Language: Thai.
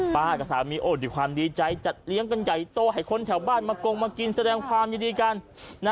กับสามีโอ้ด้วยความดีใจจัดเลี้ยงกันใหญ่โตให้คนแถวบ้านมากงมากินแสดงความยินดีกัน